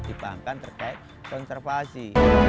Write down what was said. dibahangkan terkait konservasi